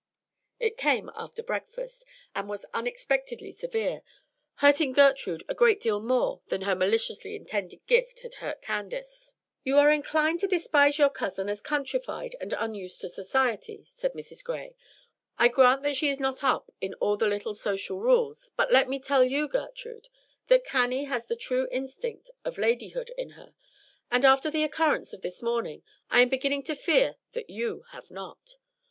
It came after breakfast, and was unexpectedly severe, hurting Gertrude a great deal more than her maliciously intended gift had hurt Candace. "You are inclined to despise your cousin as countrified and unused to society," said Mrs. Gray. "I grant that she is not up in all the little social rules; but let me tell you, Gertrude, that Cannie has the true instinct of ladyhood in her, and after the occurrence of this morning I am beginning to fear that you have not.